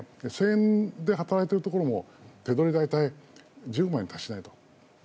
１０００円で働いているところも手取りが大体１０万円に達していない。